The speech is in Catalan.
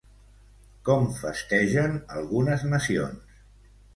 Com festegen algunes nacions?